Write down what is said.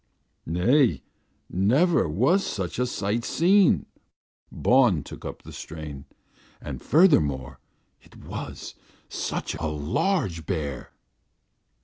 "Nay, never was such a sight seen," Bawn took up the strain. "And furthermore, it was such a large bear."